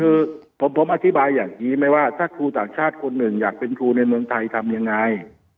คือผมอธิบายอย่างนี้ไหมว่าถ้าครูต่างชาติคนหนึ่งอยากเป็นครูในเมืองไทยทำยังไง